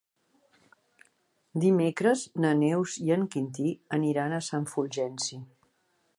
Dimecres na Neus i en Quintí aniran a Sant Fulgenci.